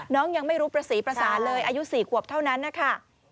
ยังไม่รู้ประสีประสานเลยอายุ๔ขวบเท่านั้นนะคะ